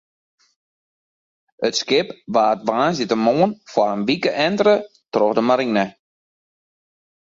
It skip waard woansdeitemoarn foar in wike entere troch de marine.